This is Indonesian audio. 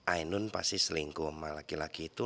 ainun pasti selingkuh sama laki laki itu